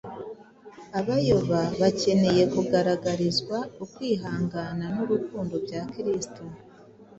Abayoba bakeneye kugaragarizwa ukwihangana n’urukundo bya Kristo,